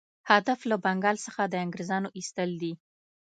هدف له بنګال څخه د انګرېزانو ایستل دي.